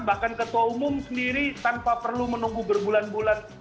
bahkan ketua umum sendiri tanpa perlu menunggu berbulan bulan